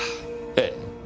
ええ。